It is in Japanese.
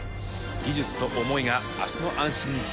技術と思いが明日の安心につながっていく。